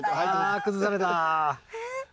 あ崩された。